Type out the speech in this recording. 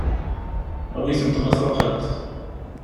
Awi-tent ma tṛuḥeḍ.